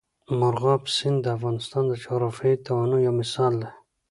مورغاب سیند د افغانستان د جغرافیوي تنوع یو مثال دی.